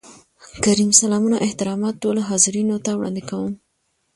کريم : سلامونه احترامات ټولو حاضرينو ته وړاندې کوم.